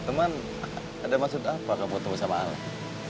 temen ada maksud apa kalau ketemu sama alex